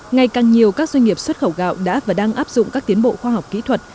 ngày càng nhiều các doanh nghiệp xuất khẩu gạo đã và đang áp dụng các tiến bộ khoa học kỹ thuật